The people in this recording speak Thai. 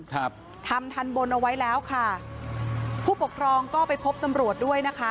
ครับทำทันบนเอาไว้แล้วค่ะผู้ปกครองก็ไปพบตำรวจด้วยนะคะ